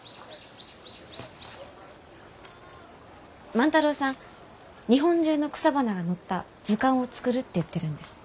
万太郎さん日本中の草花が載った図鑑を作るって言ってるんです。